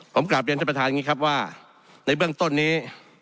ผมกลับเรียนท่านประธานอย่างนี้ครับว่าในเบื้องต้นนี้